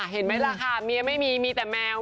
เห็นไหมล่ะค่ะเมียไม่มีมีแต่แมว